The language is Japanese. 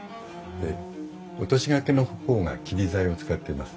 で落とし掛けの方が桐材を使っています。